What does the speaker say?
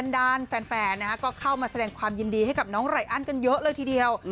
แฟนก็เข้ามาแสดงความยินดีให้กับน้องไรอันกันเยอะเลยทีเดียว